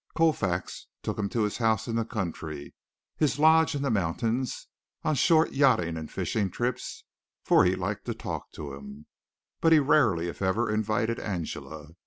Colfax took him to his house in the country, his lodge in the mountains, on short yachting and fishing trips, for he liked to talk to him, but he rarely if ever invited Angela.